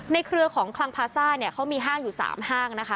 เครือของคลังพาซ่าเนี่ยเขามีห้างอยู่๓ห้างนะคะ